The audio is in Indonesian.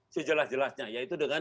sejelas jelasnya yaitu dengan